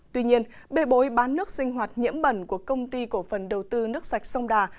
tuy nhiên bề bối bán nước sinh hoạt nhiễm bẩn của công ty cổ phần đầu tư nước sạch sông đà